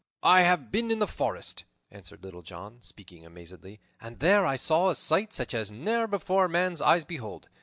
"I have been in the forest," answered Little John, speaking amazedly, "and there I saw a sight such as ne'er before man's eyes beheld!